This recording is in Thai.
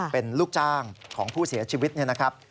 เป็นลูกจ้างของผู้เสียชีวิตเนี่ยนะครับ